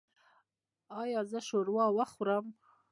ایا زه شوروا وخورم؟